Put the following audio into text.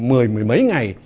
mười mười mấy ngày